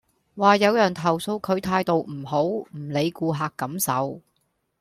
話有人投訴佢態度唔好，唔理顧客感受